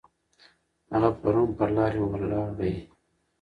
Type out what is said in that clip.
هغه پرون پر لارې ولاړی.